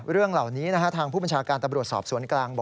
เรื่องเหล่านี้ทางผู้ประชาการแต่บรวชสอบศูนย์กลาง